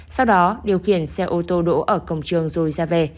sau đó điều khiển xe ô tô đỗ ở cổng trường rồi ra về